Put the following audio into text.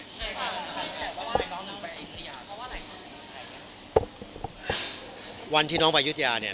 ว่าไหนน้องไปอิทยาเพราะว่าไหนวันที่น้องไปอิทยาเนี่ย